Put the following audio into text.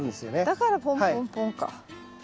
だからポンポンポンか。